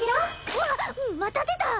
うわっまた出た！